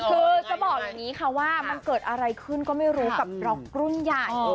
คือจะบอกอย่างนี้ค่ะว่ามันเกิดอะไรขึ้นก็ไม่รู้กับดร็อกรุ่นใหญ่